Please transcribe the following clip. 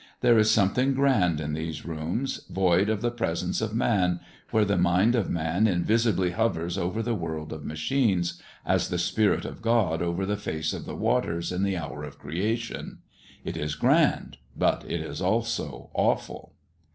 There is something grand in these rooms, void of the presence of man, where the mind of man invisibly hovers over the world of machines, as the Spirit of God over the face of the waters in the hour of creation. It is grand, but it is also awful.